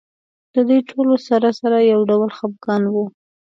د دې ټولو سره سره یو ډول خپګان و.